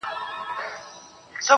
ځوان پر لمانځه ولاړ دی,